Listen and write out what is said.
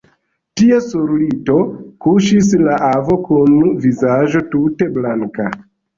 Tie sur lito kuŝis la avo, kun vizaĝo tute blanka.